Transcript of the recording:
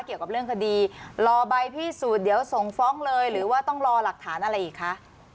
เกี่ยวกับเรื่องคดีรอใบพิสูจน์เดี๋ยวส่งฟ้องเลยหรือว่าต้องรอหลักฐานอะไรอีกคะ